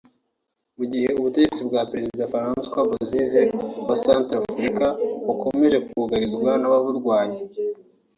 Mu gihe ubutegetsi bwa Perezida Francois Bozize wa Central Africa bukomeje kugarizwa n’ababurwanya